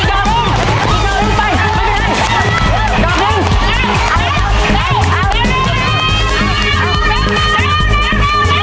อะไร